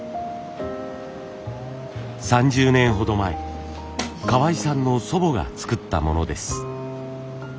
３０年ほど前河合さんの祖母が作ったものです。